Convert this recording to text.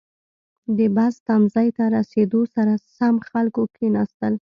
• د بس تمځي ته رسېدو سره سم، خلکو کښېناستل.